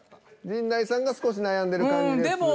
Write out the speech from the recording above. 陣内さんが少し悩んでる感じですが。